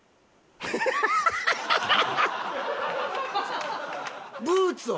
ハハハハハ！